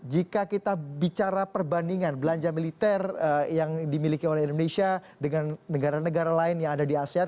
jika kita bicara perbandingan belanja militer yang dimiliki oleh indonesia dengan negara negara lain yang ada di asean